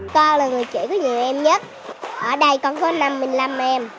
con là người chỉ có nhiều em nhất ở đây con có năm mươi năm em